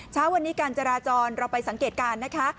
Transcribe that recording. เช้าวันนี้การจราจรเราไปสังเกตการณ์นะคะ